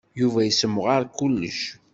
Yuba yessemɣar kullec.